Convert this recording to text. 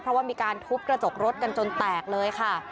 เพราะว่ามีการทุบกระจกรถกันจนแตกเลยค่ะ